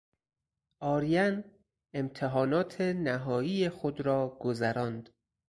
آرین امتحانات نهایی خود را گذراند.